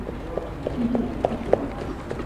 জি, কিশোর।